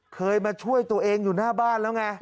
เคยมาช่วยตัวเองอยู่หน้าบ้านแล้วไง